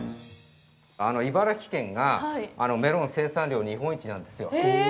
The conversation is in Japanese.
茨城県がメロン生産量、日本一なんですよ。へえ。